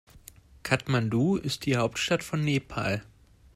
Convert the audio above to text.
Kathmandu ist die Hauptstadt von Nepal.